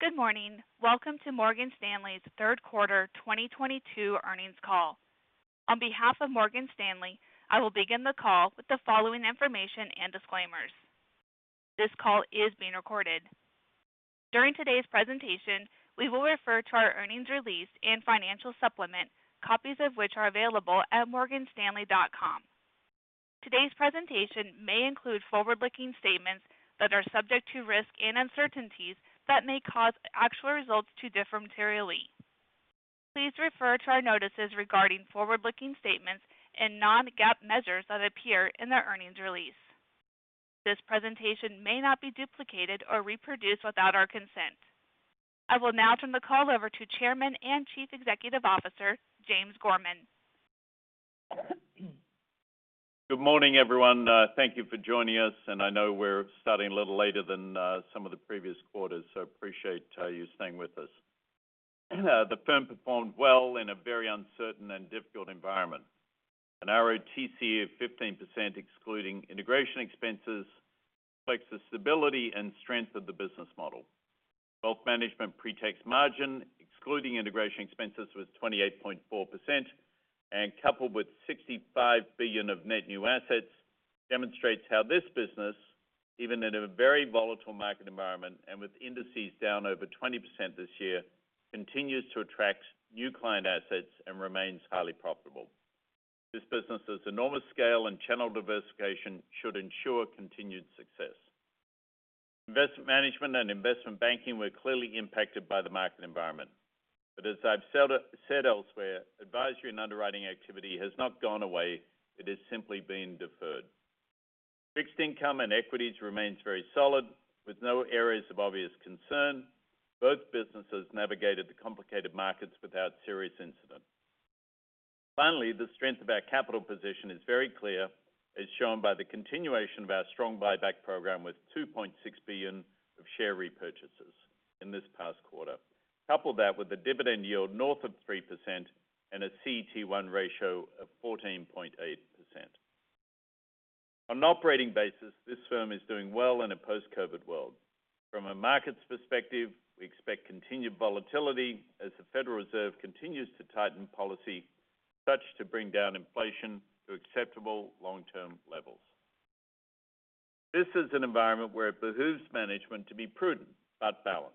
Good morning. Welcome to Morgan Stanley's Third Quarter 2022 Earnings Call. On behalf of Morgan Stanley, I will begin the call with the following information and disclaimers. This call is being recorded. During today's presentation, we will refer to our earnings release and financial supplement, copies of which are available at morganstanley.com. Today's presentation may include forward-looking statements that are subject to risks and uncertainties that may cause actual results to differ materially. Please refer to our notices regarding forward-looking statements and non-GAAP measures that appear in the earnings release. This presentation may not be duplicated or reproduced without our consent. I will now turn the call over to Chairman and Chief Executive Officer, James Gorman. Good morning, everyone. Thank you for joining us, and I know we're starting a little later than some of the previous quarters, so appreciate you staying with us. The firm performed well in a very uncertain and difficult environment. An ROTCE of 15%, excluding integration expenses, reflects the stability and strength of the business model. Wealth management pre-tax margin, excluding integration expenses, was 28.4%, and coupled with $65 billion of net new assets, demonstrates how this business, even in a very volatile market environment and with indices down over 20% this year, continues to attract new client assets and remains highly profitable. This business' enormous scale and channel diversification should ensure continued success. Investment management and investment banking were clearly impacted by the market environment. As I've said elsewhere, advisory and underwriting activity has not gone away, it has simply been deferred. Fixed income and equities remains very solid, with no areas of obvious concern. Both businesses navigated the complicated markets without serious incident. Finally, the strength of our capital position is very clear, as shown by the continuation of our strong buyback program with $2.6 billion of share repurchases in this past quarter. Couple that with a dividend yield north of 3% and a CET1 ratio of 14.8%. On an operating basis, this firm is doing well in a post-COVID world. From a markets perspective, we expect continued volatility as the Federal Reserve continues to tighten policy such as to bring down inflation to acceptable long-term levels. This is an environment where it behooves management to be prudent but balanced.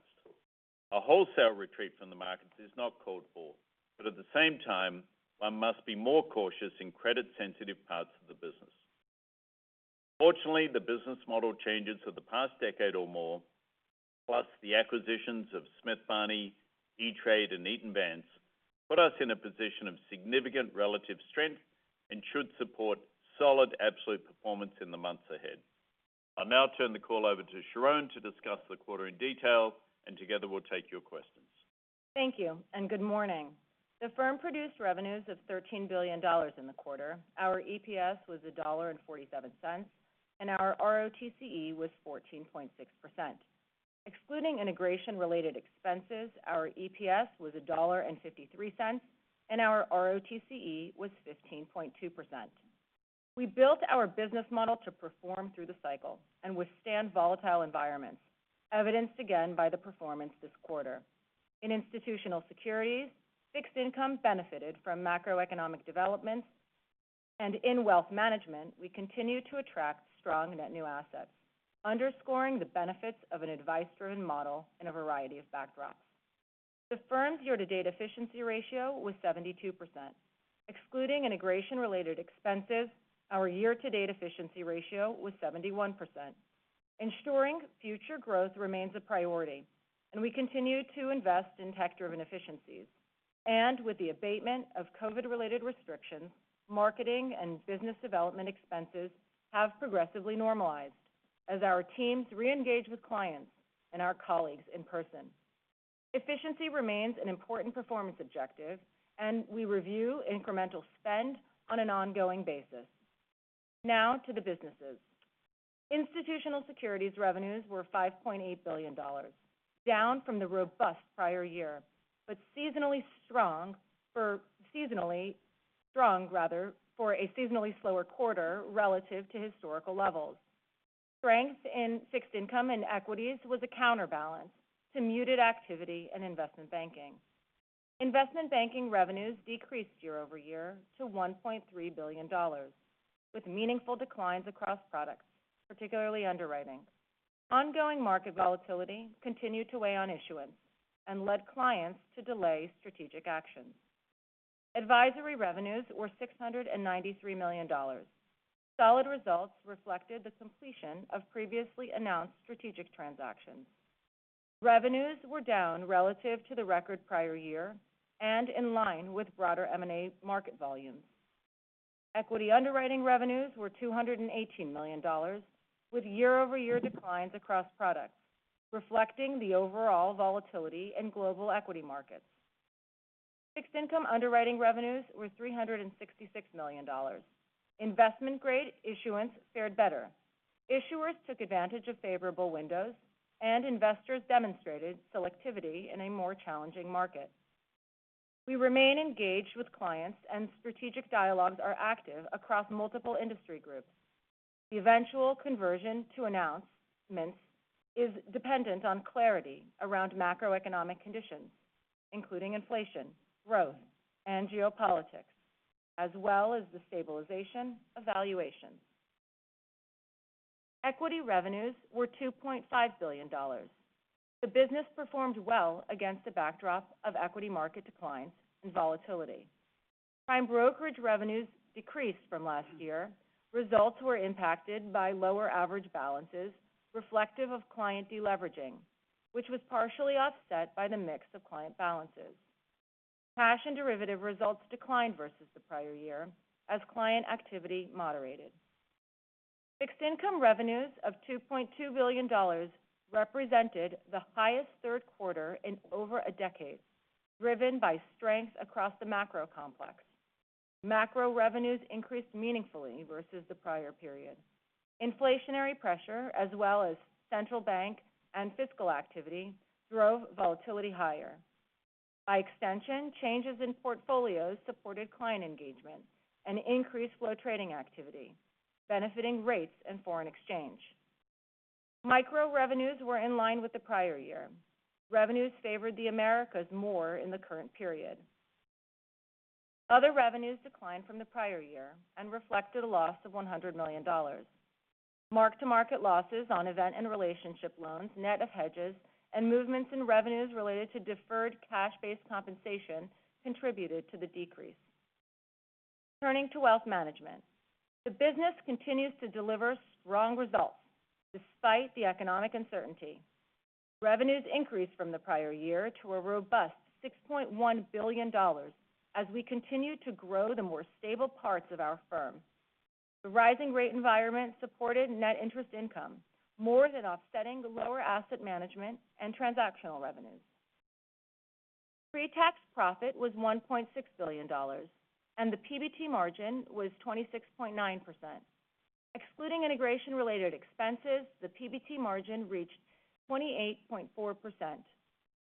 A wholesale retreat from the markets is not called for, but at the same time, one must be more cautious in credit-sensitive parts of the business. Fortunately, the business model changes of the past decade or more, plus the acquisitions of Smith Barney, E-Trade, and Eaton Vance, put us in a position of significant relative strength and should support solid absolute performance in the months ahead. I'll now turn the call over to Sharon to discuss the quarter in detail, and together we'll take your questions. Thank you, and good morning. The firm produced revenues of $13 billion in the quarter. Our EPS was $1.47, and our ROTCE was 14.6%. Excluding integration related expenses, our EPS was $1.53, and our ROTCE was 15.2%. We built our business model to perform through the cycle and withstand volatile environments, evidenced again by the performance this quarter. In institutional securities, fixed income benefited from macroeconomic developments, and in wealth management, we continued to attract strong net new assets, underscoring the benefits of an advice-driven model in a variety of backdrops. The firm's year-to-date efficiency ratio was 72%. Excluding integration related expenses, our year-to-date efficiency ratio was 71%. Ensuring future growth remains a priority, and we continue to invest in tech-driven efficiencies. With the abatement of COVID-related restrictions, marketing and business development expenses have progressively normalized as our teams reengage with clients and our colleagues in person. Efficiency remains an important performance objective, and we review incremental spend on an ongoing basis. Now to the businesses. Institutional securities revenues were $5.8 billion, down from the robust prior year, but seasonally strong rather, for a seasonally slower quarter relative to historical levels. Strength in fixed income and equities was a counterbalance to muted activity in investment banking. Investment banking revenues decreased year-over-year to $1.3 billion, with meaningful declines across products, particularly underwriting. Ongoing market volatility continued to weigh on issuance and led clients to delay strategic actions. Advisory revenues were $693 million. Solid results reflected the completion of previously announced strategic transactions. Revenues were down relative to the record prior year and in line with broader M&A market volumes. Equity underwriting revenues were $218 million, with year-over-year declines across products, reflecting the overall volatility in global equity markets. Fixed income underwriting revenues were $366 million. Investment-grade issuance fared better. Issuers took advantage of favorable windows, and investors demonstrated selectivity in a more challenging market. We remain engaged with clients, and strategic dialogues are active across multiple industry groups. The eventual conversion to announcements is dependent on clarity around macroeconomic conditions, including inflation, growth, and geopolitics, as well as the stabilization of valuations. Equity revenues were $2.5 billion. The business performed well against a backdrop of equity market declines and volatility. Prime brokerage revenues decreased from last year. Results were impacted by lower average balances reflective of client deleveraging, which was partially offset by the mix of client balances. Cash and derivative results declined versus the prior year as client activity moderated. Fixed income revenues of $2.2 billion represented the highest third quarter in over a decade, driven by strength across the macro complex. Macro revenues increased meaningfully versus the prior period. Inflationary pressure, as well as central bank and fiscal activity, drove volatility higher. By extension, changes in portfolios supported client engagement and increased flow trading activity, benefiting rates and foreign exchange. Micro revenues were in line with the prior year. Revenues favored the Americas more in the current period. Other revenues declined from the prior year and reflected a loss of $100 million. Mark-to-market losses on event and relationship loans, net of hedges, and movements in revenues related to deferred cash-based compensation contributed to the decrease. Turning to wealth management. The business continues to deliver strong results despite the economic uncertainty. Revenues increased from the prior year to a robust $6.1 billion as we continue to grow the more stable parts of our firm. The rising rate environment supported net interest income, more than offsetting the lower asset management and transactional revenues. Pre-tax profit was $1.6 billion, and the PBT margin was 26.9%. Excluding integration-related expenses, the PBT margin reached 28.4%,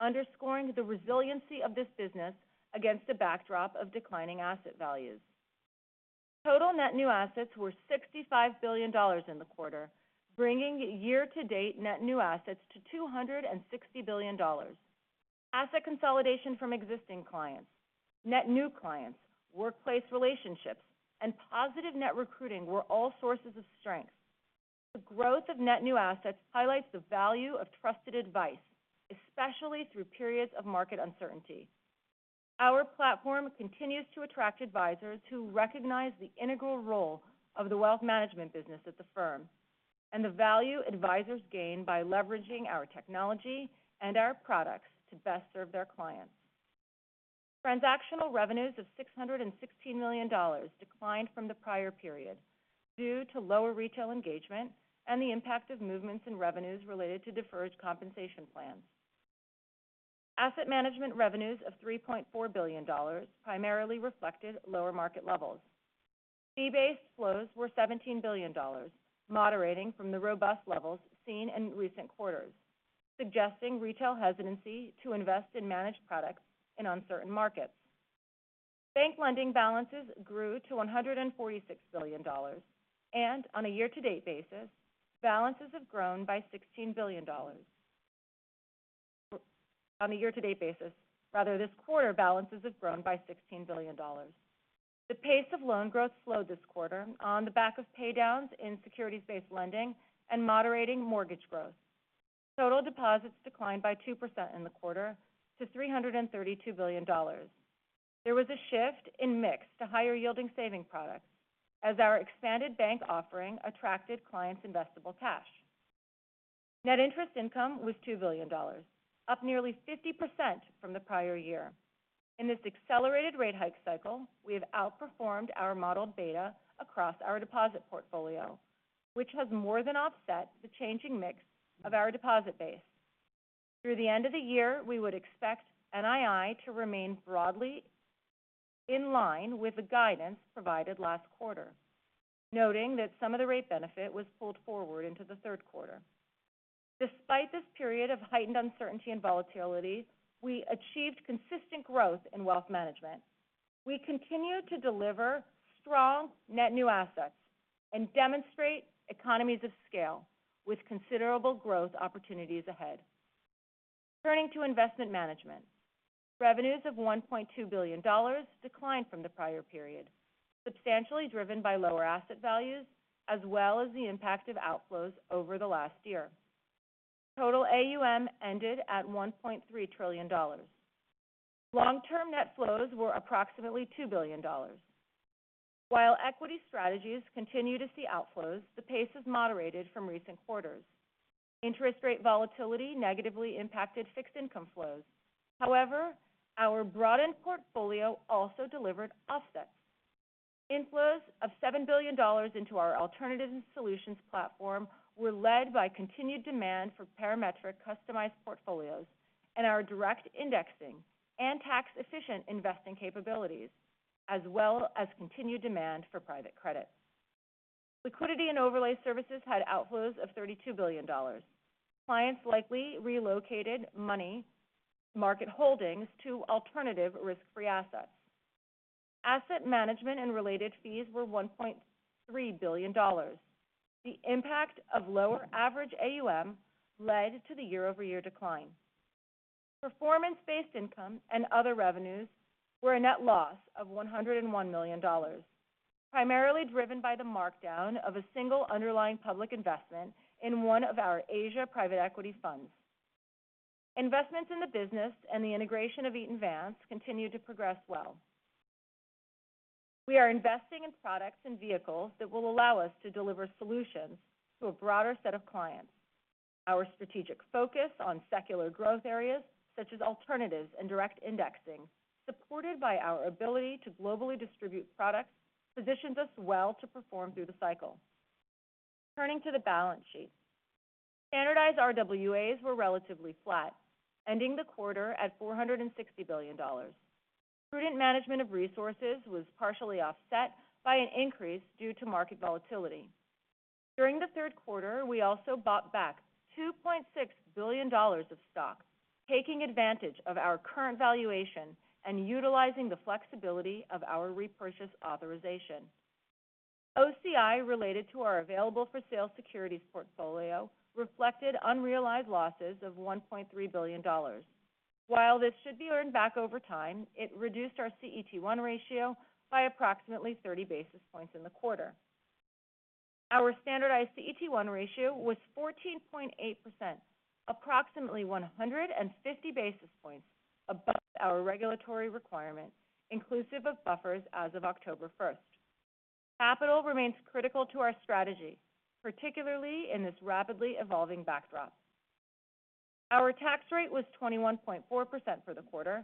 underscoring the resiliency of this business against a backdrop of declining asset values. Total net new assets were $65 billion in the quarter, bringing year-to-date net new assets to $260 billion. Asset consolidation from existing clients, net new clients, workplace relationships, and positive net recruiting were all sources of strength. The growth of net new assets highlights the value of trusted advice, especially through periods of market uncertainty. Our platform continues to attract advisors who recognize the integral role of the wealth management business at the firm and the value advisors gain by leveraging our technology and our products to best serve their clients. Transactional revenues of $616 million declined from the prior period due to lower retail engagement and the impact of movements in revenues related to deferred compensation plans. Asset management revenues of $3.4 billion primarily reflected lower market levels. Fee-based flows were $17 billion, moderating from the robust levels seen in recent quarters, suggesting retail hesitancy to invest in managed products in uncertain markets. Bank lending balances grew to $146 billion, and on a year-to-date basis, balances have grown by $16 billion. Rather, this quarter, balances have grown by $16 billion. The pace of loan growth slowed this quarter on the back of paydowns in securities-based lending and moderating mortgage growth. Total deposits declined by 2% in the quarter to $332 billion. There was a shift in mix to higher-yielding savings products as our expanded bank offering attracted clients' investable cash. Net interest income was $2 billion, up nearly 50% from the prior year. In this accelerated rate hike cycle, we have outperformed our modeled beta across our deposit portfolio, which has more than offset the changing mix of our deposit base. Through the end of the year, we would expect NII to remain broadly in line with the guidance provided last quarter, noting that some of the rate benefit was pulled forward into the third quarter. Despite this period of heightened uncertainty and volatility, we achieved consistent growth in wealth management. We continue to deliver strong net new assets and demonstrate economies of scale with considerable growth opportunities ahead. Turning to investment management. Revenues of $1.2 billion declined from the prior period, substantially driven by lower asset values as well as the impact of outflows over the last year. Total AUM ended at $1.3 trillion. Long-term net flows were approximately $2 billion. While equity strategies continue to see outflows, the pace has moderated from recent quarters. Interest rate volatility negatively impacted fixed income flows. However, our broadened portfolio also delivered offsets. Inflows of $7 billion into our alternatives and solutions platform were led by continued demand for Parametric customized portfolios and our direct indexing and tax-efficient investing capabilities, as well as continued demand for private credit. Liquidity and overlay services had outflows of $32 billion. Clients likely relocated money market holdings to alternative risk-free assets. Asset management and related fees were $1.3 billion. The impact of lower average AUM led to the year-over-year decline. Performance-based income and other revenues were a net loss of $101 million, primarily driven by the markdown of a single underlying public investment in one of our Asia private equity funds. Investments in the business and the integration of Eaton Vance continue to progress well. We are investing in products and vehicles that will allow us to deliver solutions to a broader set of clients. Our strategic focus on secular growth areas such as alternatives and direct indexing, supported by our ability to globally distribute products, positions us well to perform through the cycle. Turning to the balance sheet. Standardized RWAs were relatively flat, ending the quarter at $460 billion. Prudent management of resources was partially offset by an increase due to market volatility. During the third quarter, we also bought back $2.6 billion of stock, taking advantage of our current valuation and utilizing the flexibility of our repurchase authorization. OCI related to our available-for-sale securities portfolio reflected unrealized losses of $1.3 billion. While this should be earned back over time, it reduced our CET1 ratio by approximately 30 basis points in the quarter. Our standardized CET1 ratio was 14.8%, approximately 150 basis points above our regulatory requirement, inclusive of buffers as of October first. Capital remains critical to our strategy, particularly in this rapidly evolving backdrop. Our tax rate was 21.4% for the quarter,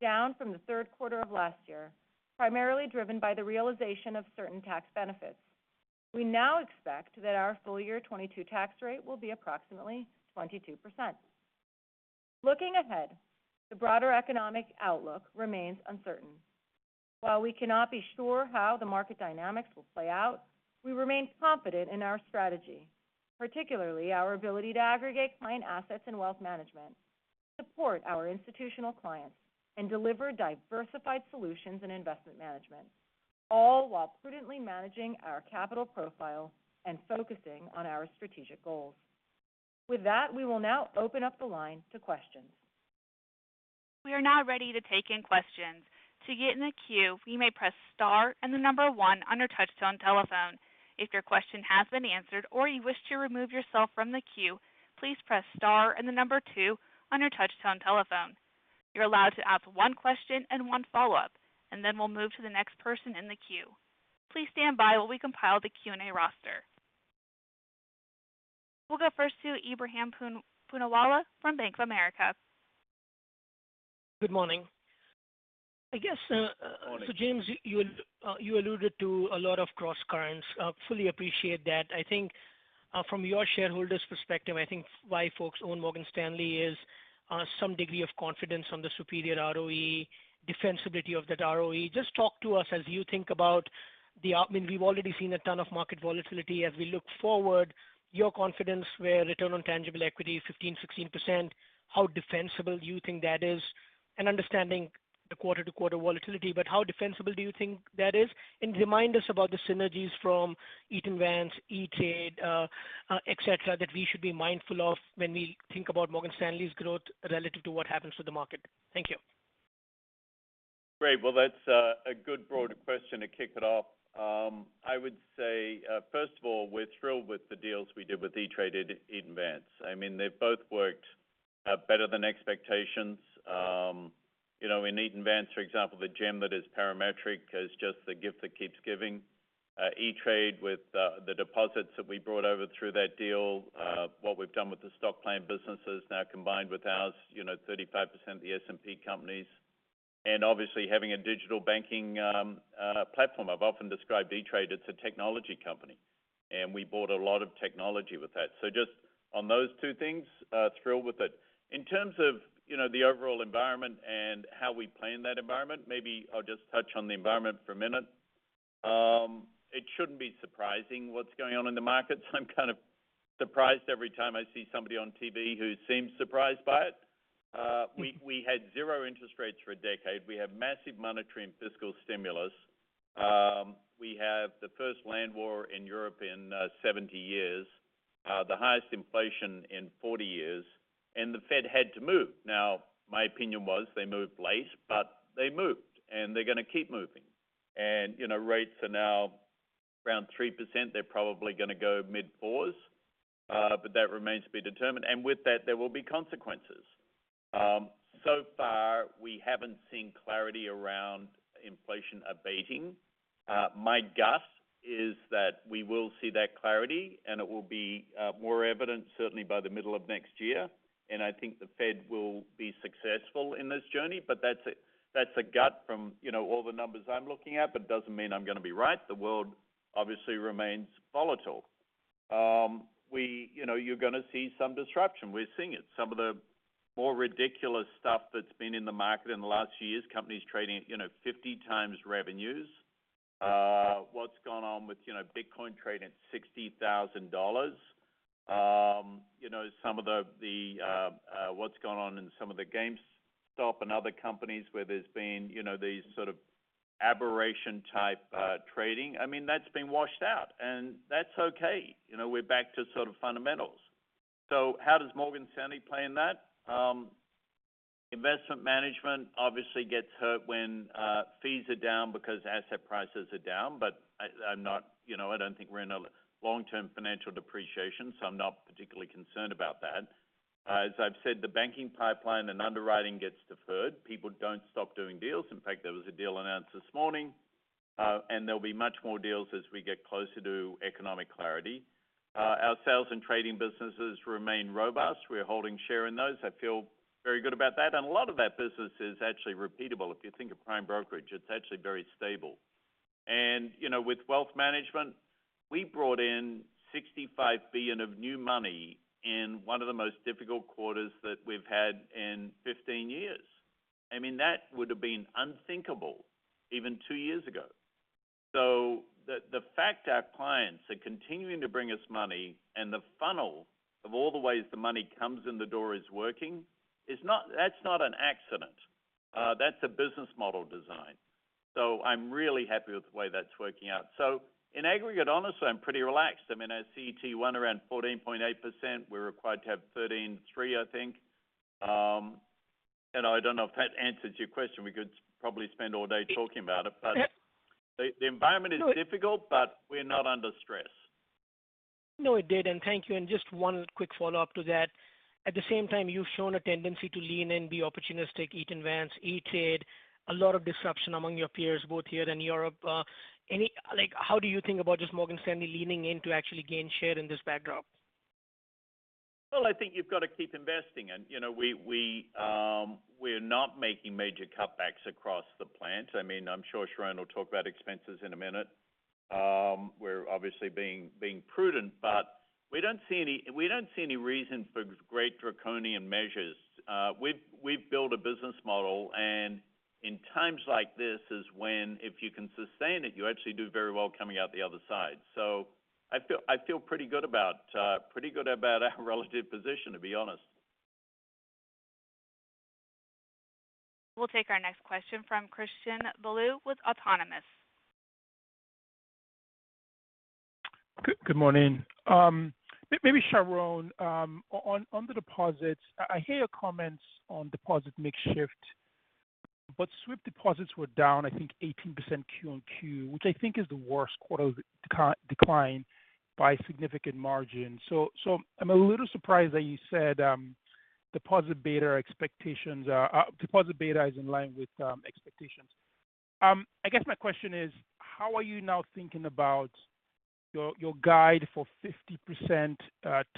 down from the third quarter of last year, primarily driven by the realization of certain tax benefits. We now expect that our full year 2022 tax rate will be approximately 22%. Looking ahead, the broader economic outlook remains uncertain. While we cannot be sure how the market dynamics will play out, we remain confident in our strategy, particularly our ability to aggregate client assets and wealth management, support our institutional clients, and deliver diversified solutions and investment management, all while prudently managing our capital profile and focusing on our strategic goals. With that, we will now open up the line to questions. We are now ready to take in questions. To get in the queue, you may press star and the number one on your touchtone telephone. If your question has been answered or you wish to remove yourself from the queue, please press star and the number two on your touchtone telephone. You're allowed to ask one question and one follow-up, and then we'll move to the next person in the queue. Please stand by while we compile the Q&A roster. We'll go first to Ebrahim Poonawala from Bank of America. Good morning. Morning. James, you alluded to a lot of crosscurrents. I fully appreciate that. I think from your shareholders' perspective, I think why folks own Morgan Stanley is some degree of confidence on the superior ROE, defensibility of that ROE. Just talk to us as you think about. I mean, we've already seen a ton of market volatility. As we look forward, your confidence where return on tangible equity is 15%-16%, how defensible do you think that is? And understanding the quarter-to-quarter volatility, but how defensible do you think that is? And remind us about the synergies from Eaton Vance, E-Trade, et cetera, that we should be mindful of when we think about Morgan Stanley's growth relative to what happens to the market. Thank you. Great. Well, that's a good broader question to kick it off. I would say, first of all, we're thrilled with the deals we did with E-Trade and Eaton Vance. I mean, they both worked better than expectations. You know, in Eaton Vance, for example, the gem that is Parametric is just the gift that keeps giving. E-Trade with the deposits that we brought over through that deal, what we've done with the stock plan businesses now combined with ours, you know, 35% of the S&P companies. And obviously, having a digital banking platform. I've often described E-Trade, it's a technology company, and we bought a lot of technology with that. So just on those two things, thrilled with it. In terms of, you know, the overall environment and how we plan that environment, maybe I'll just touch on the environment for a minute. It shouldn't be surprising what's going on in the markets. I'm kind of surprised every time I see somebody on TV who seems surprised by it. We had zero interest rates for a decade. We have massive monetary and fiscal stimulus. We have the first land war in Europe in 70 years, the highest inflation in 40 years, and the Fed had to move. Now, my opinion was they moved late, but they moved, and they're gonna keep moving. You know, rates are now around 3%. They're probably gonna go mid-4s, but that remains to be determined. With that, there will be consequences. So far, we haven't seen clarity around inflation abating. My gut is that we will see that clarity, and it will be more evident certainly by the middle of next year. I think the Fed will be successful in this journey. That's a gut from, you know, all the numbers I'm looking at, but it doesn't mean I'm gonna be right. The world obviously remains volatile. We, you know, you're gonna see some disruption. We're seeing it. Some of the more ridiculous stuff that's been in the market in the last few years, companies trading at, you know, 50x revenues. What's gone on with, you know, Bitcoin trading $60,000. You know, some of what's gone on in some of the GameStop and other companies where there's been, you know, these sort of aberration type trading. I mean, that's been washed out, and that's okay. You know, we're back to sort of fundamentals. How does Morgan Stanley play in that? Investment management obviously gets hurt when fees are down because asset prices are down. I'm not, you know, I don't think we're in a long-term financial depreciation, so I'm not particularly concerned about that. As I've said, the banking pipeline and underwriting gets deferred. People don't stop doing deals. In fact, there was a deal announced this morning, and there'll be much more deals as we get closer to economic clarity. Our sales and trading businesses remain robust. We're holding share in those. I feel very good about that. A lot of that business is actually repeatable. If you think of prime brokerage, it's actually very stable. You know, with wealth management, we brought in $65 billion of new money in one of the most difficult quarters that we've had in 15 years. I mean, that would have been unthinkable even two years ago. The fact our clients are continuing to bring us money and the funnel of all the ways the money comes in the door is working is not an accident. That's a business model design. I'm really happy with the way that's working out. In aggregate, honestly, I'm pretty relaxed. I mean, our CET1 around 14.8%, we're required to have 13.3, I think. And I don't know if that answers your question. We could probably spend all day talking about it, but Yeah. The environment is difficult, but we're not under stress. No, it did. Thank you. Just one quick follow-up to that. At the same time, you've shown a tendency to lean and be opportunistic, Eaton Vance, E-Trade, a lot of disruption among your peers, both here and Europe. Like, how do you think about just Morgan Stanley leaning in to actually gain share in this backdrop? Well, I think you've got to keep investing. You know, we're not making major cutbacks across the board. I mean, I'm sure Sharon will talk about expenses in a minute. We're obviously being prudent, but we don't see any reason for great draconian measures. We've built a business model, and in times like this is when if you can sustain it, you actually do very well coming out the other side. I feel pretty good about our relative position, to be honest. We'll take our next question from Christian Bolu with Autonomous Research. Good morning. Maybe Sharon, on the deposits, I hear your comments on deposit mix shift, but sweep deposits were down, I think 18% Q on Q, which I think is the worst quarter decline by a significant margin. I'm a little surprised that you said deposit beta is in line with expectations. I guess my question is, how are you now thinking about your guide for 50%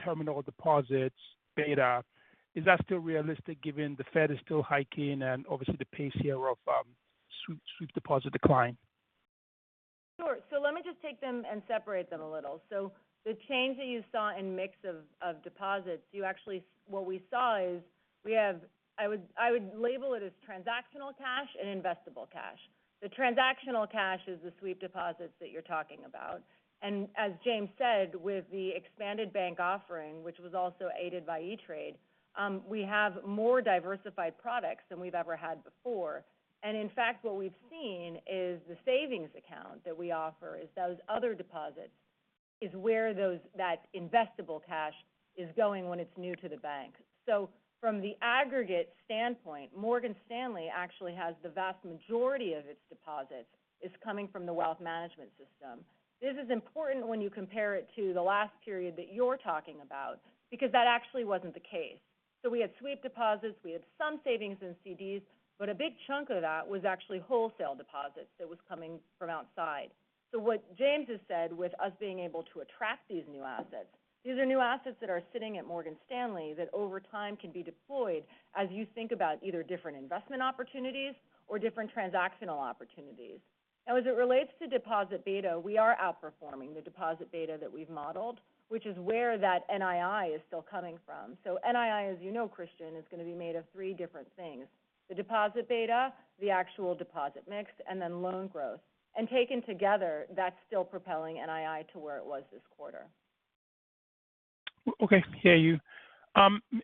terminal deposit beta? Is that still realistic given the Fed is still hiking and obviously the pace here of sweep deposit decline? Sure. Let me just take them and separate them a little. The change that you saw in the mix of deposits, what we saw is we have I would label it as transactional cash and investable cash. The transactional cash is the sweep deposits that you're talking about. As James said, with the expanded bank offering, which was also aided by E-Trade, we have more diversified products than we've ever had before. In fact, what we've seen is the savings account that we offer, those other deposits, is where that investable cash is going when it's new to the bank. From the aggregate standpoint, Morgan Stanley actually has the vast majority of its deposits is coming from the wealth management system. This is important when you compare it to the last period that you're talking about because that actually wasn't the case. We had sweep deposits, we had some savings in CDs, but a big chunk of that was actually wholesale deposits that was coming from outside. What James has said, with us being able to attract these new assets, these are new assets that are sitting at Morgan Stanley that over time can be deployed as you think about either different investment opportunities or different transactional opportunities. Now, as it relates to deposit beta, we are outperforming the deposit beta that we've modeled, which is where that NII is still coming from. NII, as you know, Christian, is going to be made of three different things. The deposit beta, the actual deposit mix, and then loan growth. Taken together, that's still propelling NII to where it was this quarter. Okay. I hear you.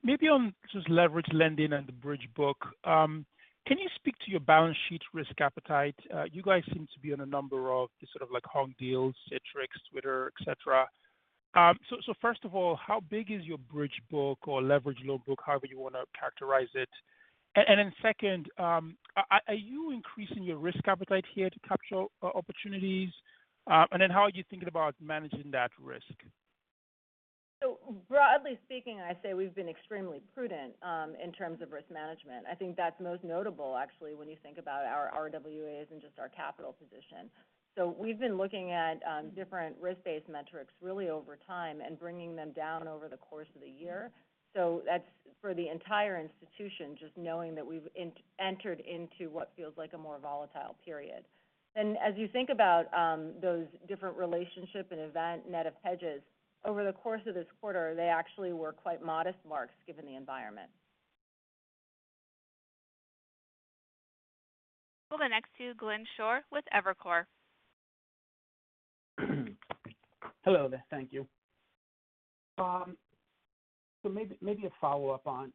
Maybe on just leverage lending and the bridge book. Can you speak to your balance sheet risk appetite? You guys seem to be on a number of these sort of like hung deals, Citrix, Twitter, et cetera. First of all, how big is your bridge book or leverage loan book, however you want to characterize it? Then second, are you increasing your risk appetite here to capture opportunities? Then how are you thinking about managing that risk? Broadly speaking, I say we've been extremely prudent, in terms of risk management. I think that's most notable actually when you think about our RWAs and just our capital position. We've been looking at, different risk-based metrics really over time and bringing them down over the course of the year. That's for the entire institution, just knowing that we've entered into what feels like a more volatile period. As you think about, those different relationship and event net of hedges, over the course of this quarter, they actually were quite modest marks given the environment. We'll go next to Glenn Schorr with Evercore. Hello there. Thank you. Maybe a follow-up on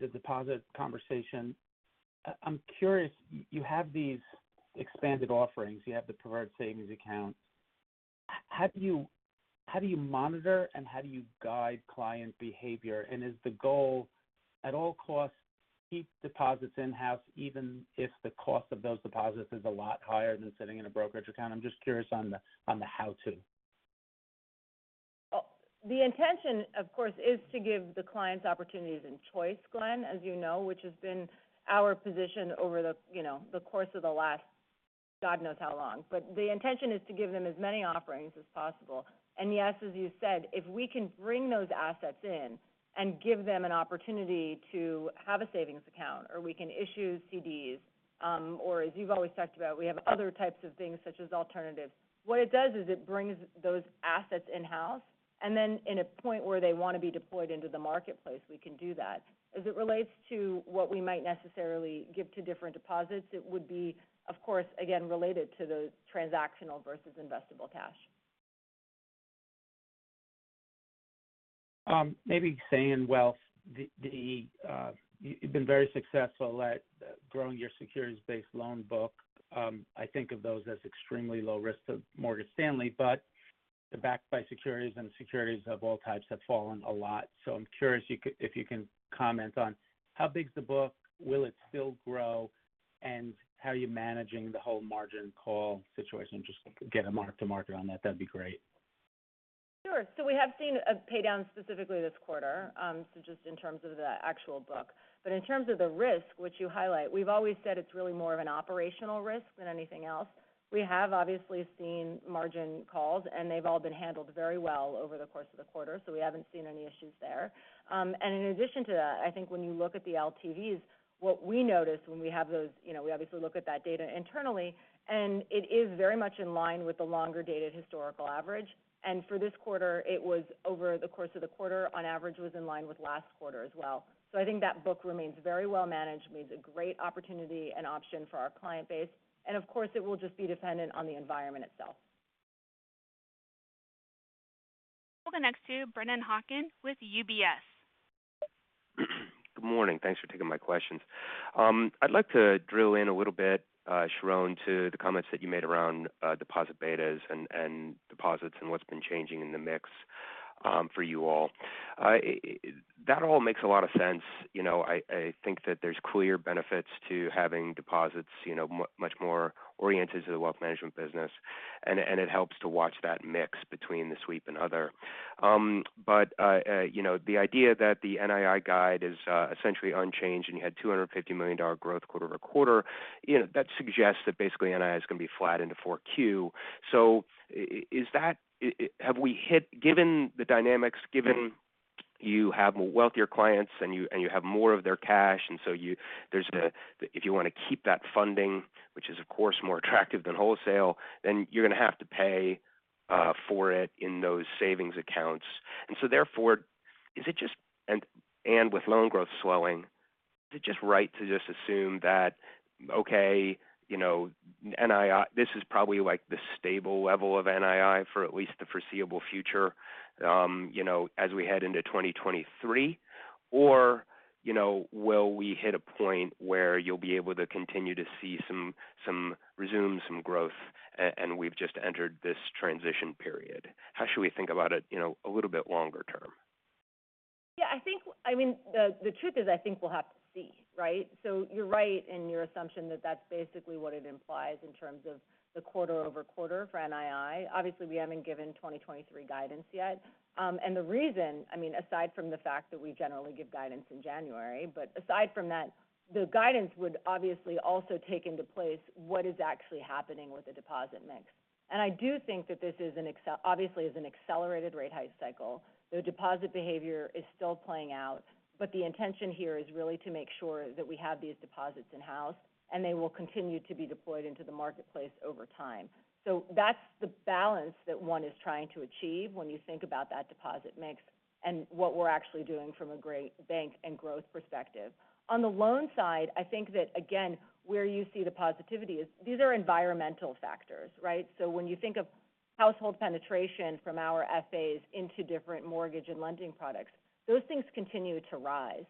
the deposit conversation. I'm curious, you have these expanded offerings, you have the preferred savings account. How do you monitor and how do you guide client behavior? And is the goal at all costs keep deposits in-house even if the cost of those deposits is a lot higher than sitting in a brokerage account? I'm just curious on the how-to. Well, the intention, of course, is to give the clients opportunities and choice, Glenn, as you know, which has been our position over the, you know, the course of the last God knows how long. The intention is to give them as many offerings as possible. Yes, as you said, if we can bring those assets in and give them an opportunity to have a savings account or we can issue CDs, or as you've always talked about, we have other types of things such as alternatives. What it does is it brings those assets in-house, and then in a point where they want to be deployed into the marketplace, we can do that. As it relates to what we might necessarily give to different deposits, it would be, of course, again, related to the transactional versus investable cash. Maybe staying in wealth, you've been very successful at growing your securities-based loan book. I think of those as extremely low risk to Morgan Stanley, but they're backed by securities, and securities of all types have fallen a lot. I'm curious if you can comment on how big is the book, will it still grow, and how are you managing the whole margin call situation? Just get a mark-to-market on that. That'd be great. Sure. We have seen a pay down specifically this quarter, so just in terms of the actual book. In terms of the risk, which you highlight, we've always said it's really more of an operational risk than anything else. We have obviously seen margin calls, and they've all been handled very well over the course of the quarter, so we haven't seen any issues there. In addition to that, I think when you look at the LTVs, what we notice when we have those, you know, we obviously look at that data internally, and it is very much in line with the longer data historical average. For this quarter, it was over the course of the quarter on average was in line with last quarter as well. I think that book remains very well managed, remains a great opportunity and option for our client base. Of course, it will just be dependent on the environment itself. We'll go next to Brennan Hawken with UBS. Good morning. Thanks for taking my questions. I'd like to drill in a little bit, Sharon, to the comments that you made around deposit betas and deposits and what's been changing in the mix for you all. That all makes a lot of sense. You know, I think that there's clear benefits to having deposits, you know, much more oriented to the wealth management business, and it helps to watch that mix between the sweep and other. But you know, the idea that the NII guide is essentially unchanged and you had $250 million growth quarter-over-quarter, you know, that suggests that basically NII is going to be flat into 4Q. Is that. Have we hit. Given the dynamics, you have wealthier clients and you have more of their cash. If you want to keep that funding, which is, of course, more attractive than wholesale, then you're going to have to pay for it in those savings accounts. With loan growth swelling, is it just right to just assume that, you know, NII, this is probably like the stable level of NII for at least the foreseeable future, you know, as we head into 2023? Or, you know, will we hit a point where you'll be able to continue to see some resumption of growth, and we've just entered this transition period? How should we think about it, you know, a little bit longer term? Yeah, I think, I mean, the truth is, I think we'll have to see, right? You're right in your assumption that that's basically what it implies in terms of the quarter-over-quarter for NII. Obviously, we haven't given 2023 guidance yet. The reason, I mean, aside from the fact that we generally give guidance in January, but aside from that, the guidance would obviously also take into place what is actually happening with the deposit mix. I do think that this is obviously an accelerated rate hike cycle. The deposit behavior is still playing out, but the intention here is really to make sure that we have these deposits in-house and they will continue to be deployed into the marketplace over time. That's the balance that one is trying to achieve when you think about that deposit mix and what we're actually doing from a great bank and growth perspective. On the loan side, I think that again, where you see the positivity is these are environmental factors, right? When you think of household penetration from our FAs into different mortgage and lending products, those things continue to rise.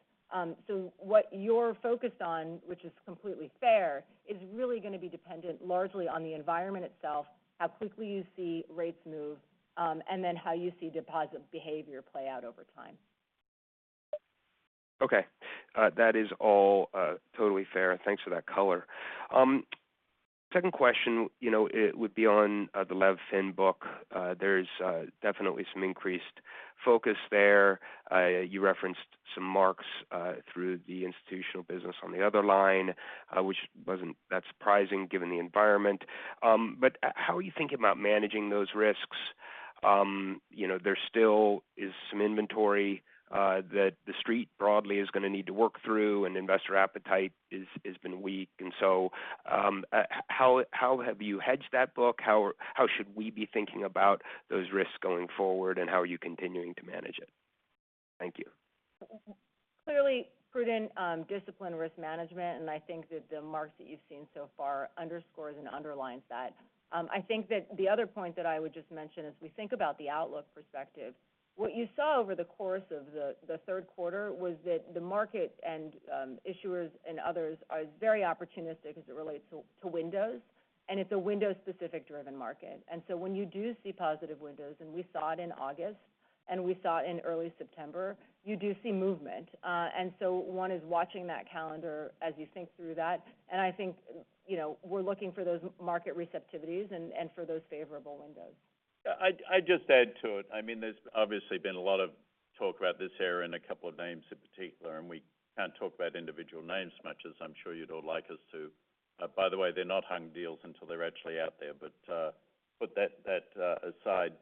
What you're focused on, which is completely fair, is really going to be dependent largely on the environment itself, how quickly you see rates move, and then how you see deposit behavior play out over time. Okay. That is all totally fair. Thanks for that color. Second question, you know, it would be on the lev fin book. There's definitely some increased focus there. You referenced some marks through the institutional business on the other line, which wasn't that surprising given the environment. How are you thinking about managing those risks? You know, there still is some inventory that the street broadly is going to need to work through, and investor appetite is, has been weak. How have you hedged that book? How should we be thinking about those risks going forward, and how are you continuing to manage it? Thank you. Clearly prudent, disciplined risk management. I think that the marks that you've seen so far underscores and underlines that. I think that the other point that I would just mention as we think about the outlook perspective, what you saw over the course of the third quarter was that the market and issuers and others are very opportunistic as it relates to windows. It's a window-specific driven market. When you do see positive windows, and we saw it in August, and we saw it in early September, you do see movement. One is watching that calendar as you think through that. I think, you know, we're looking for those market receptivities and for those favorable windows. Yeah. I'd just add to it. I mean, there's obviously been a lot of talk about this area and a couple of names in particular, and we can't talk about individual names much as I'm sure you'd all like us to. By the way, they're not hung deals until they're actually out there. Put that aside.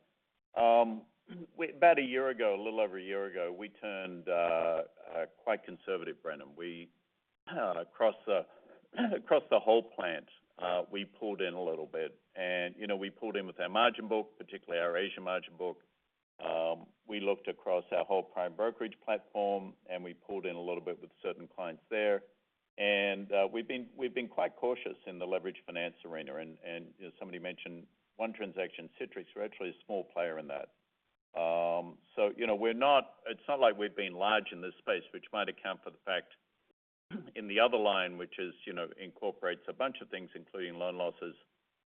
About a year ago, a little over a year ago, we turned quite conservative, Brennan. We, across the whole platform, pulled in a little bit. You know, we pulled in with our margin book, particularly our Asian margin book. We looked across our whole prime brokerage platform, and we pulled in a little bit with certain clients there. We've been quite cautious in the leveraged finance arena. As somebody mentioned one transaction, Citrix, we're actually a small player in that. So, you know, we're not. It's not like we've been large in this space, which might account for the fact in the other line, which is, you know, incorporates a bunch of things, including loan losses.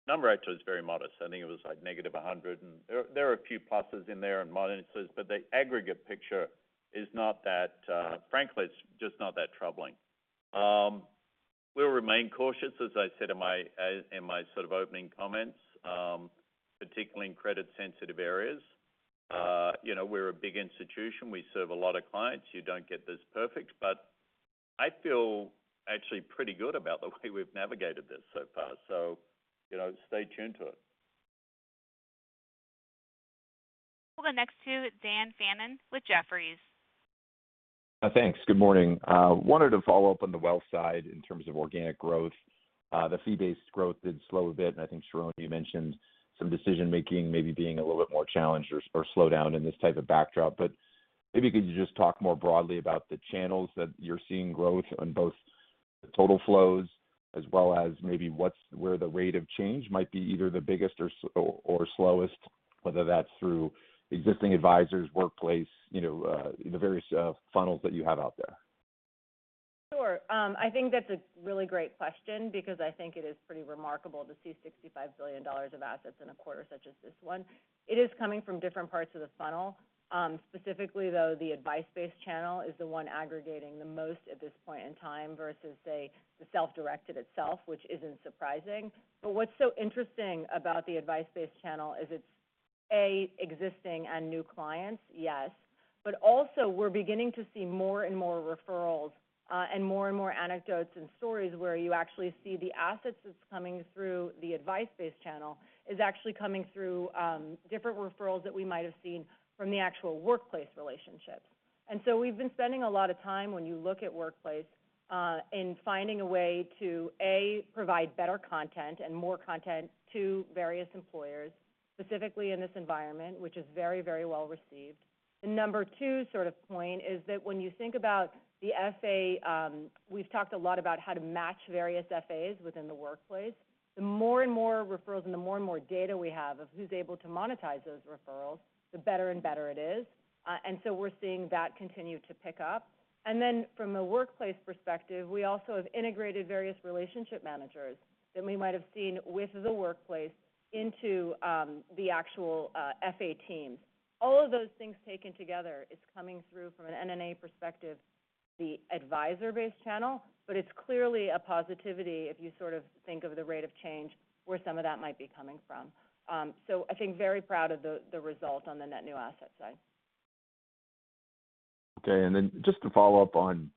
Number actually is very modest. I think it was like -$100. There are a few pluses in there and minuses, but the aggregate picture is not that, frankly, it's just not that troubling. We'll remain cautious, as I said in my in my sort of opening comments, particularly in credit-sensitive areas. You know, we're a big institution. We serve a lot of clients. You don't get this perfect, but I feel actually pretty good about the way we've navigated this so far. You know, stay tuned to it. We'll go next to Daniel Fannon with Jefferies. Thanks. Good morning. Wanted to follow up on the wealth side in terms of organic growth. The fee-based growth did slow a bit, and I think, Sharon, you mentioned some decision-making maybe being a little bit more challenged or slowed down in this type of backdrop. Maybe could you just talk more broadly about the channels that you're seeing growth on both the total flows as well as maybe where the rate of change might be, either the biggest or slowest, whether that's through existing advisors, workplace, you know, the various funnels that you have out there? Sure. I think that's a really great question because I think it is pretty remarkable to see $65 billion of assets in a quarter such as this one. It is coming from different parts of the funnel. Specifically, though, the advice-based channel is the one aggregating the most at this point in time versus, say, the self-directed itself, which isn't surprising. What's so interesting about the advice-based channel is it's, A, existing and new clients, yes. Also we're beginning to see more and more referrals, and more and more anecdotes and stories where you actually see the assets that's coming through the advice-based channel is actually coming through different referrals that we might have seen from the actual workplace relationships. We've been spending a lot of time when you look at workplace in finding a way to, A, provide better content and more content to various employers, specifically in this environment, which is very, very well-received. The number two sort of point is that when you think about the FA. We've talked a lot about how to match various FAs within the workplace. The more and more referrals and the more and more data we have of who's able to monetize those referrals, the better and better it is. We're seeing that continue to pick up. From a workplace perspective, we also have integrated various relationship managers than we might have seen with the workplace into the actual FA teams. All of those things taken together is coming through from an NNA perspective, the advisor-based channel, but it's clearly a positivity if you sort of think of the rate of change where some of that might be coming from. I think very proud of the result on the net new asset side. Okay. Just to follow up on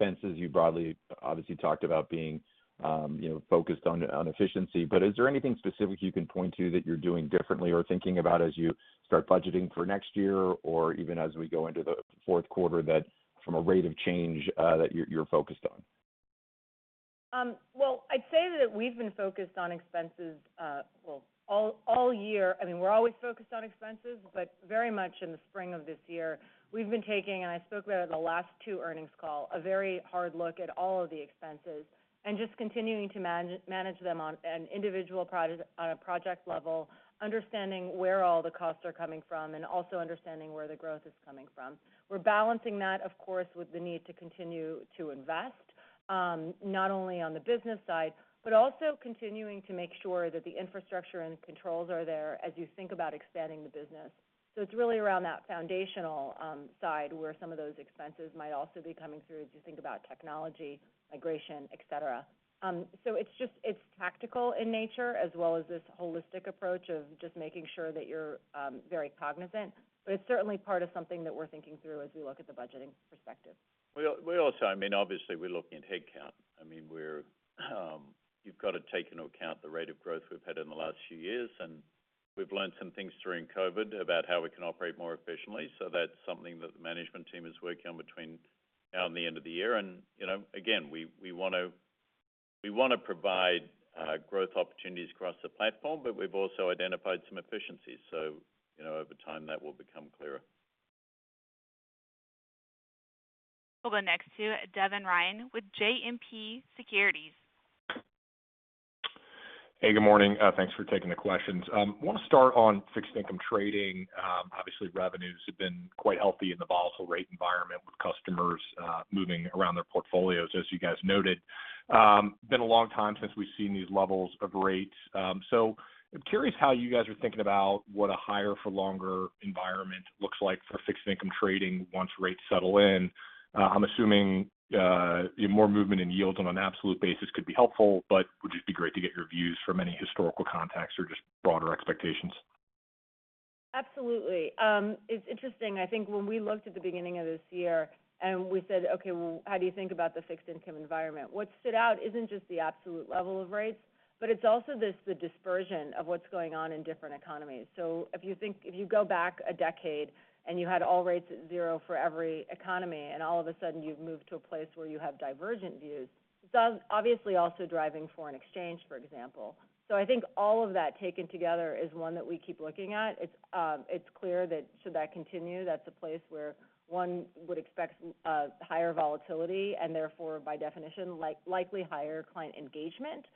expenses, you broadly obviously talked about being, you know, focused on efficiency. Is there anything specific you can point to that you're doing differently or thinking about as you start budgeting for next year or even as we go into the fourth quarter that from a rate of change that you're focused on? I'd say that we've been focused on expenses, well, all year. I mean, we're always focused on expenses, but very much in the spring of this year, we've been taking, and I spoke about it on the last two earnings call, a very hard look at all of the expenses and just continuing to manage them on an individual on a project level, understanding where all the costs are coming from, and also understanding where the growth is coming from. We're balancing that, of course, with the need to continue to invest, not only on the business side, but also continuing to make sure that the infrastructure and controls are there as you think about expanding the business. It's really around that foundational side where some of those expenses might also be coming through as you think about technology, migration, et cetera. It's just tactical in nature as well as this holistic approach of just making sure that you're very cognizant. It's certainly part of something that we're thinking through as we look at the budgeting perspective. We're also, I mean, obviously, we're looking at headcount. I mean, you've got to take into account the rate of growth we've had in the last few years. We've learned some things during COVID about how we can operate more efficiently. That's something that the management team is working on between now and the end of the year. You know, again, we want to provide growth opportunities across the platform, but we've also identified some efficiencies. You know, over time that will become clearer. We'll go next to Devin Ryan with JMP Securities. Hey, good morning. Thanks for taking the questions. Want to start on fixed income trading. Obviously revenues have been quite healthy in the volatile rate environment with customers moving around their portfolios, as you guys noted. Been a long time since we've seen these levels of rates. I'm curious how you guys are thinking about what a higher for longer environment looks like for fixed income trading once rates settle in. I'm assuming more movement in yields on an absolute basis could be helpful, but would just be great to get your views from any historical context or just broader expectations. Absolutely. It's interesting, I think when we looked at the beginning of this year and we said, "Okay, well, how do you think about the fixed income environment?" What stood out isn't just the absolute level of rates, but it's also this, the dispersion of what's going on in different economies. If you go back a decade and you had all rates at zero for every economy, and all of a sudden you've moved to a place where you have divergent views, that's obviously also driving foreign exchange, for example. I think all of that taken together is one that we keep looking at. It's clear that should that continue, that's a place where one would expect higher volatility and therefore by definition likely higher client engagement.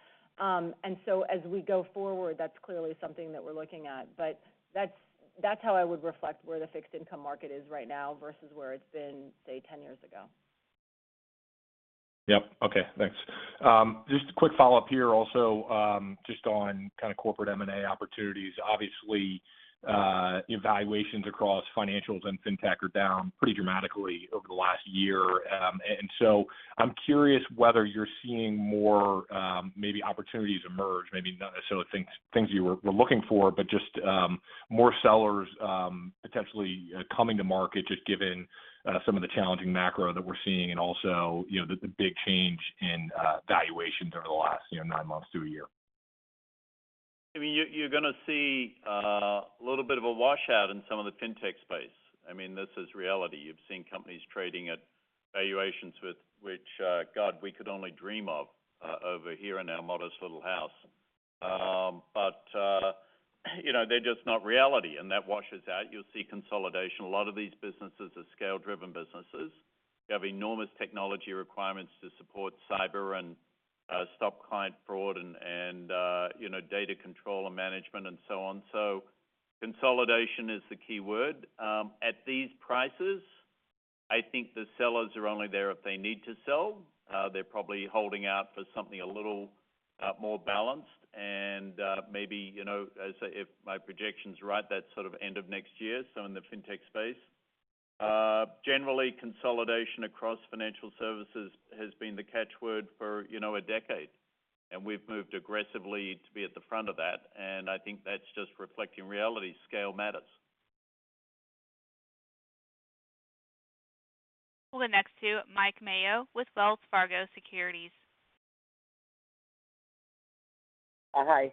As we go forward, that's clearly something that we're looking at. That's how I would reflect where the fixed income market is right now versus where it's been, say, 10 years ago. Yep. Okay, thanks. Just a quick follow-up here also, just on kind of corporate M&A opportunities. Obviously, valuations across financials and fintech are down pretty dramatically over the last year. I'm curious whether you're seeing more, maybe opportunities emerge, maybe not necessarily things you were looking for, but just more sellers potentially coming to market, just given some of the challenging macro that we're seeing and also, you know, the big change in valuation over the last, you know, nine months to a year. I mean, you're gonna see a little bit of a washout in some of the fintech space. I mean, this is reality. You've seen companies trading at valuations with which, God, we could only dream of over here in our modest little house. You know, they're just not reality, and that washes out. You'll see consolidation. A lot of these businesses are scale-driven businesses. They have enormous technology requirements to support cyber and stop client fraud and you know, data control and management and so on. Consolidation is the key word. At these prices, I think the sellers are only there if they need to sell. They're probably holding out for something a little more balanced and maybe, you know, if my projection's right, that's sort of end of next year. In the fintech space. Generally consolidation across financial services has been the catchword for, you know, a decade, and we've moved aggressively to be at the front of that. I think that's just reflecting reality. Scale matters. We'll go next to Mike Mayo with Wells Fargo Securities. Hi.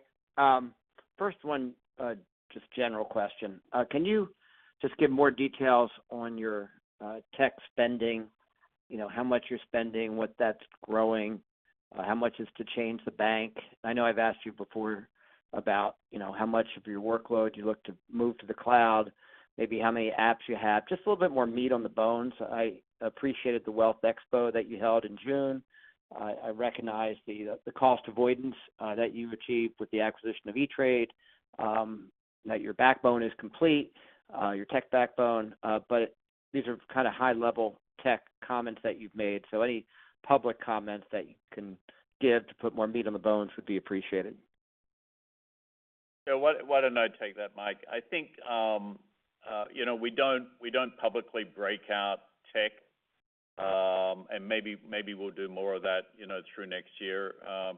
First one, just general question. Can you just give more details on your, tech spending? You know, how much you're spending? What that's growing? How much is to change the bank? I know I've asked you before about, you know, how much of your workload you look to move to the cloud, maybe how many apps you have. Just a little bit more meat on the bones. I appreciated the Wealth Expo that you held in June. I recognize the cost avoidance that you achieved with the acquisition of E-Trade, that your backbone is complete, your tech backbone. These are kind of high-level tech comments that you've made. Any public comments that you can give to put more meat on the bones would be appreciated. Yeah. Why don't I take that, Mike? I think, you know, we don't publicly break out tech, and maybe we'll do more of that, you know, through next year. I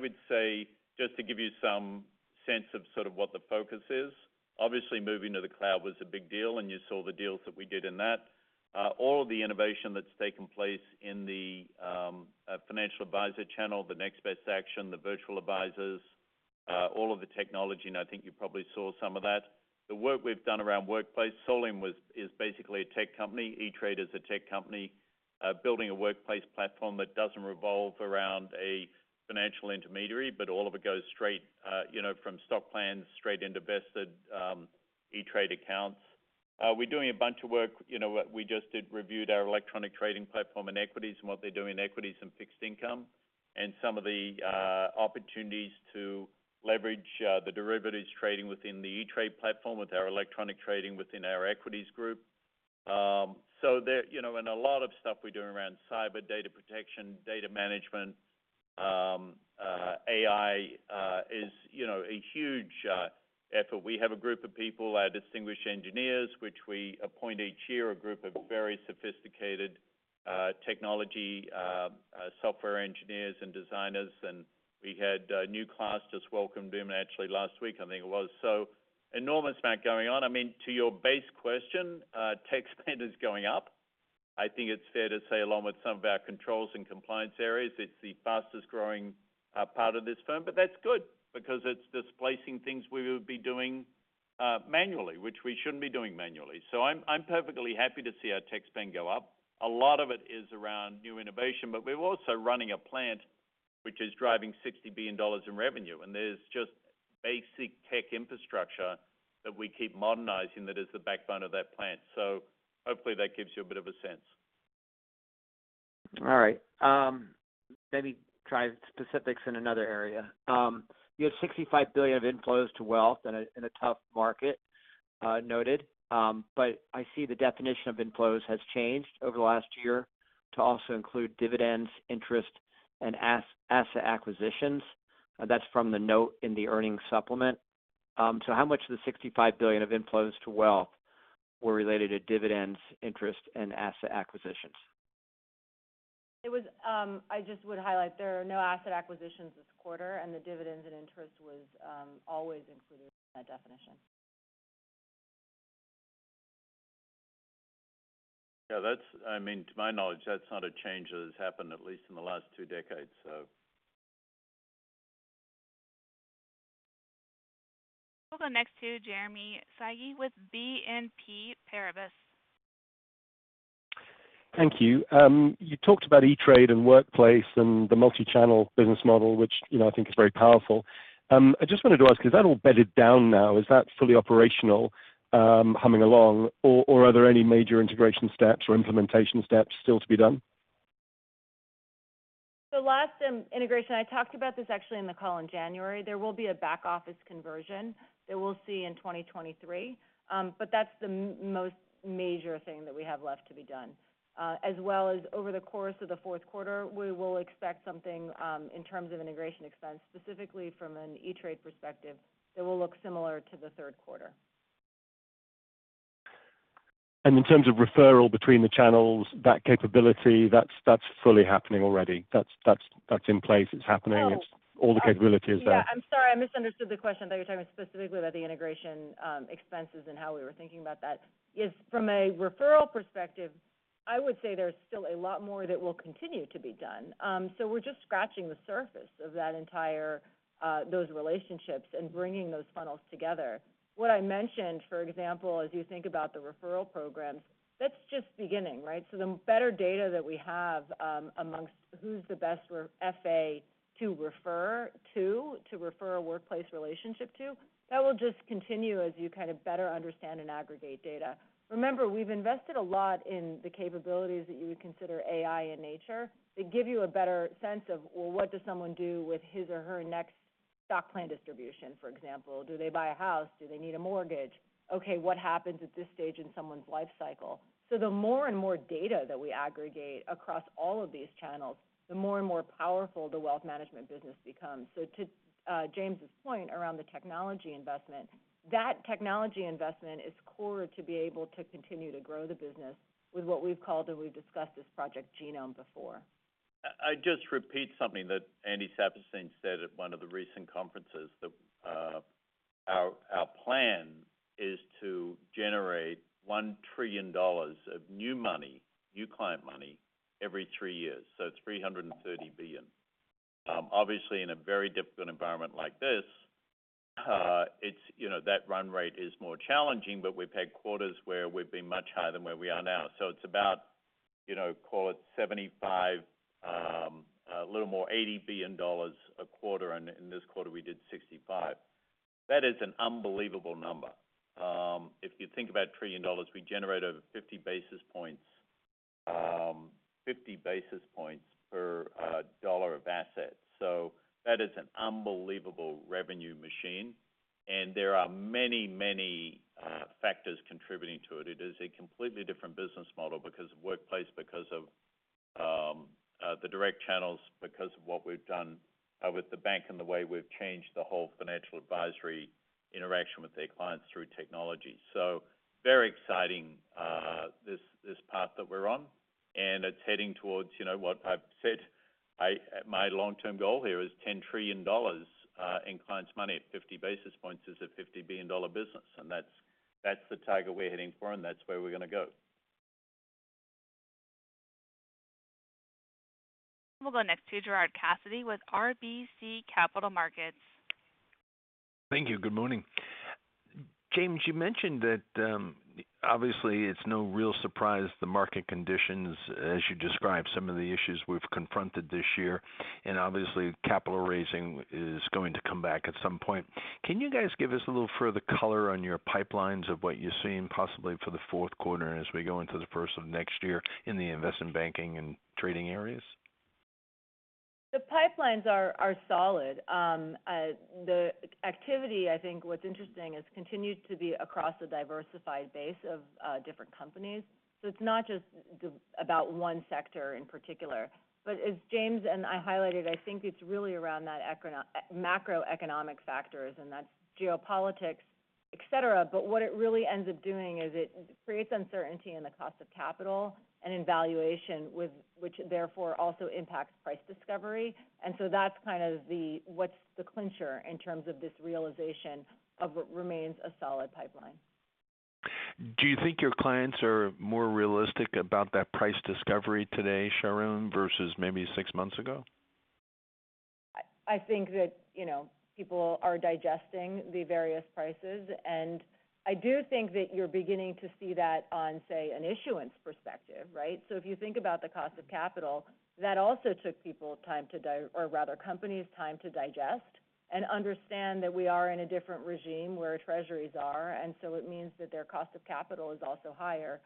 would say, just to give you some sense of sort of what the focus is, obviously moving to the cloud was a big deal and you saw the deals that we did in that. All of the innovation that's taken place in the financial advisor channel, the next best action, the virtual advisors, all of the technology, and I think you probably saw some of that. The work we've done around Workplace. Solium is basically a tech company. E-Trade is a tech company. Building a workplace platform that doesn't revolve around a financial intermediary, but all of it goes straight, you know, from stock plans straight into vested, E-Trade accounts. We're doing a bunch of work. You know what? We just reviewed our electronic trading platform in equities and what they do in equities and fixed income, and some of the opportunities to leverage the derivatives trading within the E-Trade platform with our electronic trading within our equities group. There, you know, and a lot of stuff we're doing around cyber, data protection, data management, AI is a huge effort. We have a group of people, our distinguished engineers, which we appoint each year, a group of very sophisticated, technology, software engineers and designers, and we had a new class just welcome them actually last week, I think it was. Enormous amount going on. I mean, to your base question, tech spend is going up. I think it's fair to say, along with some of our controls and compliance areas, it's the fastest-growing, part of this firm. That's good because it's displacing things we would be doing manually, which we shouldn't be doing manually. I'm perfectly happy to see our tech spend go up. A lot of it is around new innovation, but we're also running a plant which is driving $60 billion in revenue. There's just basic tech infrastructure that we keep modernizing that is the backbone of that plant. Hopefully that gives you a bit of a sense. All right. Let me try specifics in another area. You have $65 billion of inflows to wealth in a tough market, noted. But I see the definition of inflows has changed over the last year to also include dividends, interest, and asset acquisitions. That's from the note in the earnings supplement. How much of the $65 billion of inflows to wealth were related to dividends, interest, and asset acquisitions? It was, I just would highlight there are no asset acquisitions this quarter, and the dividends and interest was, always included in that definition. I mean, to my knowledge, that's not a change that has happened at least in the last two decades. We'll go next to Jeremy Sigee with BNP Paribas. Thank you. You talked about E-Trade and Morgan Stanley at Work and the multi-channel business model, which, you know, I think is very powerful. I just wanted to ask, is that all bedded down now? Is that fully operational, humming along? Or are there any major integration steps or implementation steps still to be done? The last integration, I talked about this actually in the call in January. There will be a back-office conversion that we'll see in 2023. That's the most major thing that we have left to be done. As well as over the course of the fourth quarter, we will expect something in terms of integration expense, specifically from an E-Trade perspective, that will look similar to the third quarter. In terms of referral between the channels, that capability, that's in place. It's happening. No. All the capability is there. Yeah, I'm sorry. I misunderstood the question. I thought you were talking specifically about the integration expenses and how we were thinking about that. Yes, from a referral perspective, I would say there's still a lot more that will continue to be done. We're just scratching the surface of that entire those relationships and bringing those funnels together. What I mentioned, for example, as you think about the referral programs, that's just beginning, right? The better data that we have amongst who's the best FA to refer a workplace relationship to, that will just continue as you kind of better understand and aggregate data. Remember, we've invested a lot in the capabilities that you would consider AI in nature. They give you a better sense of, well, what does someone do with his or her next stock plan distribution, for example. Do they buy a house? Do they need a mortgage? Okay, what happens at this stage in someone's life cycle? The more and more data that we aggregate across all of these channels, the more and more powerful the wealth management business becomes. To James' point around the technology investment, that technology investment is core to be able to continue to grow the business with what we've called and we've discussed as Project Genome before. I just repeat something that Andy Saperstein said at one of the recent conferences, that our plan is to generate $1 trillion of new money, new client money every three years. It's $330 billion. Obviously, in a very difficult environment like this, it's, you know, that run rate is more challenging, but we've had quarters where we've been much higher than where we are now. It's about, you know, call it 75, a little more $80 billion a quarter, and in this quarter we did 65. That is an unbelievable number. If you think about $1 trillion, we generate over 50 basis points, 50 basis points per dollar of assets. That is an unbelievable revenue machine, and there are many, many factors contributing to it. It is a completely different business model because of Workplace, because of the direct channels, because of what we've done with the bank and the way we've changed the whole financial advisory interaction with their clients through technology. Very exciting, this path that we're on. It's heading towards, you know, what I've said. My long-term goal here is $10 trillion in clients' money at 50 basis points is a $50 billion business. That's the target we're heading for, and that's where we're gonna go. We'll go next to Gerard Cassidy with RBC Capital Markets. Thank you. Good morning. James, you mentioned that, obviously, it's no real surprise the market conditions as you describe some of the issues we've confronted this year, and obviously capital raising is going to come back at some point. Can you guys give us a little further color on your pipelines of what you're seeing possibly for the fourth quarter as we go into the first of next year in the investment banking and trading areas? The pipelines are solid. The activity, I think what's interesting is continues to be across a diversified base of different companies. It's not just about one sector in particular. As James and I highlighted, I think it's really around that macroeconomic factors, and that's geopolitics, et cetera. What it really ends up doing is it creates uncertainty in the cost of capital and in valuation, which therefore also impacts price discovery. That's kind of what's the clincher in terms of this realization of what remains a solid pipeline. Do you think your clients are more realistic about that price discovery today, Sharon, versus maybe six months ago? I think that, you know, people are digesting the various prices. I do think that you're beginning to see that on, say, an issuance perspective, right? If you think about the cost of capital, that also took people time to, or rather, companies time to digest and understand that we are in a different regime where treasuries are. It means that their cost of capital is also higher.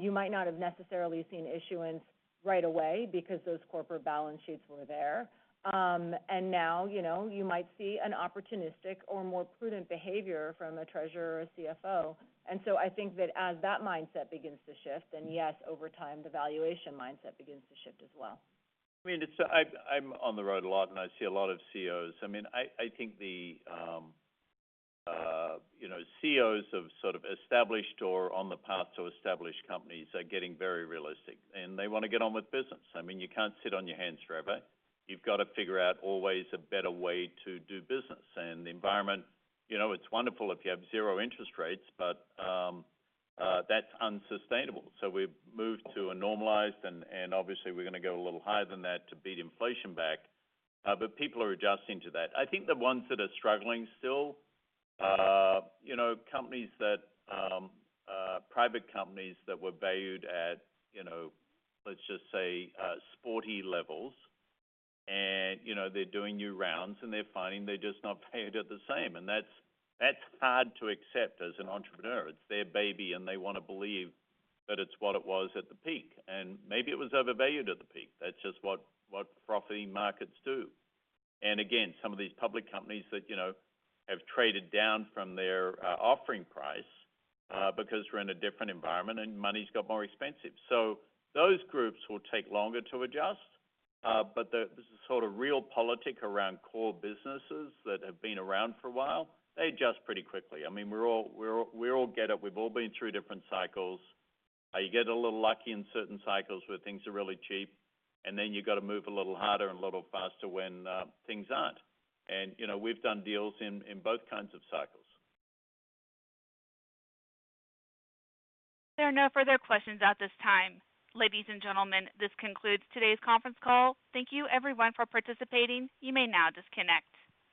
You might not have necessarily seen issuance right away because those corporate balance sheets were there. Now, you know, you might see an opportunistic or more prudent behavior from a treasurer or a CFO. I think that as that mindset begins to shift, then yes, over time, the valuation mindset begins to shift as well. I mean, I'm on the road a lot, and I see a lot of CEOs. I mean, I think the, you know, CEOs of sort of established or on the path to established companies are getting very realistic, and they wanna get on with business. I mean, you can't sit on your hands forever. You've got to figure out always a better way to do business. The environment, you know, it's wonderful if you have zero interest rates, but that's unsustainable. We've moved to a normalized and obviously we're gonna go a little higher than that to beat inflation back. People are adjusting to that. I think the ones that are struggling still, you know, companies that private companies that were valued at, you know, let's just say, sporty levels. You know, they're doing new rounds, and they're finding they're just not valued at the same. That's hard to accept as an entrepreneur. It's their baby, and they wanna believe that it's what it was at the peak. Maybe it was overvalued at the peak. That's just what frothy markets do. Again, some of these public companies that, you know, have traded down from their offering price because we're in a different environment and money's got more expensive. So those groups will take longer to adjust. But this is sort of real politic around core businesses that have been around for a while. They adjust pretty quickly. I mean, we all get it. We've all been through different cycles. You get a little lucky in certain cycles where things are really cheap, and then you've got to move a little harder and a little faster when things aren't. You know, we've done deals in both kinds of cycles. There are no further questions at this time. Ladies and gentlemen, this concludes today's conference call. Thank you everyone for participating. You may now disconnect.